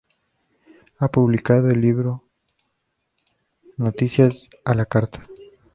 Ha publicado el libro "Noticias a la Carta.